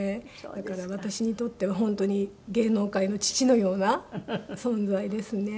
だから私にとっては本当に芸能界の父のような存在ですね。